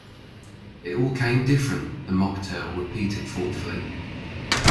‘It all came different!’ the Mock Turtle repeated thoughtfully.